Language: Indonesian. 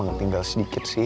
emang tinggal sedikit sih